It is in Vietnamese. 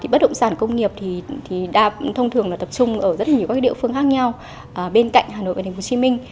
bất động sản công nghiệp thì thông thường tập trung ở rất nhiều địa phương khác nhau bên cạnh hà nội và hồ chí minh